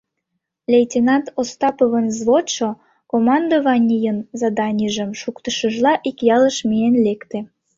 Лейтенант Остаповын взводшо командованийын заданийжым шуктышыжла ик ялыш миен лекте.